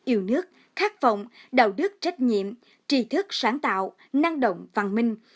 yêu nước khát vọng đạo đức trách nhiệm trí thức sáng tạo năng động văn minh